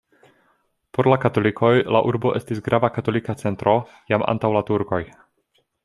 Por la katolikoj la urbo estis grava katolika centro jam antaŭ la turkoj.